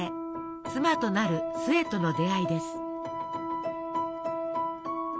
妻となる壽衛との出会いです。